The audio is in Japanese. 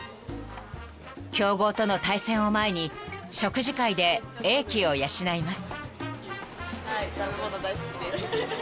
［強豪との対戦を前に食事会で英気を養います］